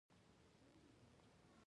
پنېر ماشومان قوي کوي.